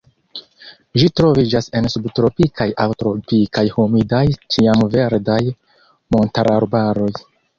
Ĝi troviĝas en subtropikaj aŭ tropikaj humidaj ĉiamverdaj montararbaroj.